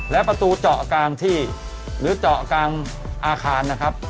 และประตูเจาะกลางที่หรือเจาะกลางอาคารนะครับ